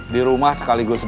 di rumah sekaligus di rumah